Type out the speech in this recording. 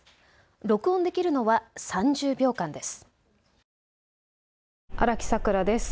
録音できるのは３０秒間です。